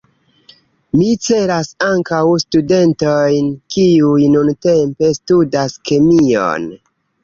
Mi celas ankaŭ studentojn kiuj nuntempe studas kemion.